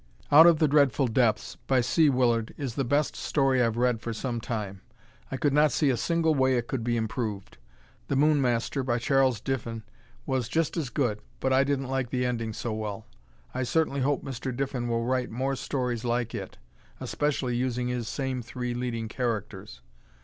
"Out of the Dreadful Depths," by C. Willard is the best story I've read for some time. I could not see a single way it could be improved. "The Moon Master," by Chas. Diffin was just as good but I didn't like the ending so well. I certainly hope Mr. Diffin will write more stories like it, especially using his same three leading characters.